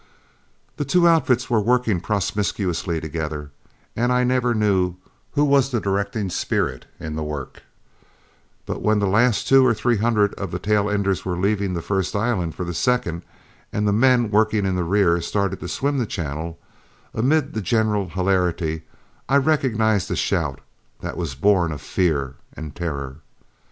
The two outfits were working promiscuously together, and I never knew who was the directing spirit in the work; but when the last two or three hundred of the tail enders were leaving the first island for the second, and the men working in the rear started to swim the channel, amid the general hilarity I recognized a shout that was born of fear and terror.